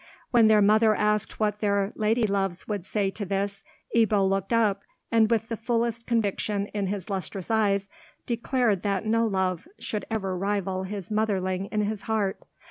When their mother asked what their lady loves would say to this, Ebbo looked up, and with the fullest conviction in his lustrous eyes declared that no love should ever rival his motherling in his heart.